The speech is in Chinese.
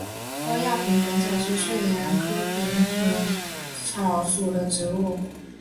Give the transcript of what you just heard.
欧亚萍蓬草是睡莲科萍蓬草属的植物。